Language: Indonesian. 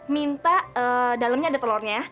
minta dalamnya ada telurnya